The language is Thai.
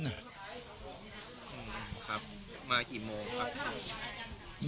ครับมากี่โมงครับ